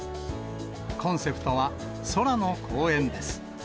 コンセプトは空の公園です。